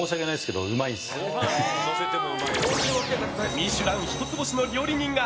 「ミシュラン」一つ星の料理人が